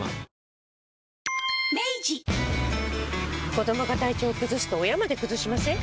子どもが体調崩すと親まで崩しません？